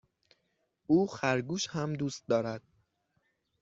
او خرگوش هم دوست دارد.